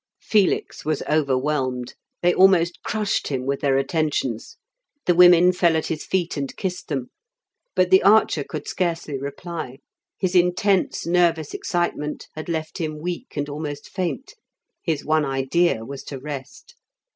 Felix was overwhelmed; they almost crushed him with their attentions; the women fell at his feet and kissed them. But the archer could scarcely reply; his intense nervous excitement had left him weak and almost faint; his one idea was to rest.